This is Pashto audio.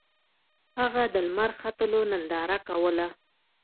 هغه د لمر ختلو ننداره کوله.